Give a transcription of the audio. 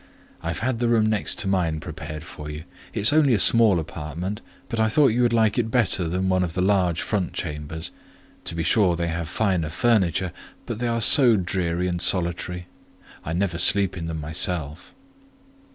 I've had the room next to mine prepared for you; it is only a small apartment, but I thought you would like it better than one of the large front chambers: to be sure they have finer furniture, but they are so dreary and solitary, I never sleep in them myself."